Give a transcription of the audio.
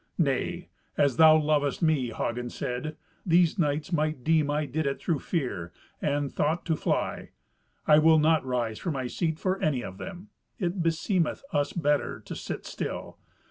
"Nay, as thou lovest me!" Hagen said. "These knights might deem I did it through fear, and thought to fly. I will not rise from my seat for any of them. It beseemeth us better to sit still.